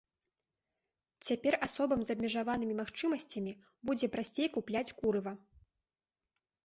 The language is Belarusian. Цяпер асобам з абмежаванымі магчымасцямі будзе прасцей купляць курыва.